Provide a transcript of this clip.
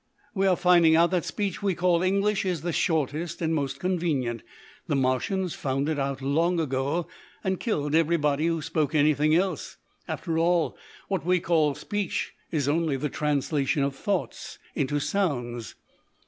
We are finding out that the speech we call English is the shortest and most convenient. The Martians found it out long ago and killed everybody who spoke anything else. After all, what we call speech is only the translation of thoughts into sounds.